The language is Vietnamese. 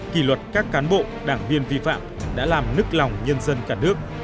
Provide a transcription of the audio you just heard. kỳ luật các cán bộ đảng viên vi phạm đã làm nức lòng nhân dân cả nước